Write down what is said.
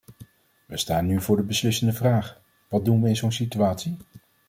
We staan nu voor de beslissende vraag: wat doen we in zo'n situatie?